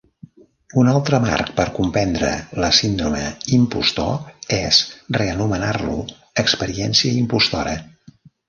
Un altre marc per comprendre la síndrome impostor és reanomenar-lo "experiència impostora".